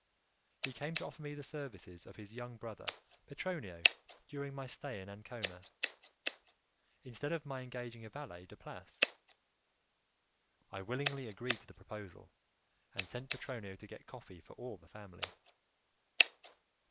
He came to offer me the services of his young brother Petronio during my stay in Ancona, instead of my engaging a valet de place. I willingly agreed to the proposal, and sent Petronio to get coffee for all the family.